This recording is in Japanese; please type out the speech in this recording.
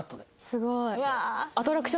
すごい。